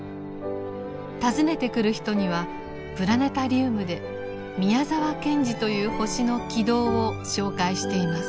訪ねてくる人にはプラネタリウムで宮沢賢治という星の軌道を紹介しています。